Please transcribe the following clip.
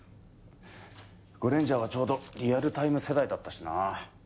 『ゴレンジャー』はちょうどリアルタイム世代だったしな。